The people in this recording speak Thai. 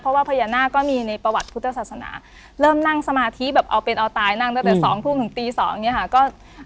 เพราะว่าพญานาคก็มีในประวัติพุทธศาสนาเริ่มนั่งสมาธิแบบเอาเป็นเอาตายนั่งตั้งแต่๒ทุ่มถึงตี๒อย่างนี้ค่ะ